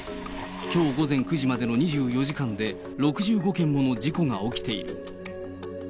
きょう午前９時までの２４時間で、６５件もの事故が起きている。